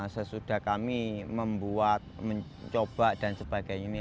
sesudah kami membuat mencoba dan sebagainya ini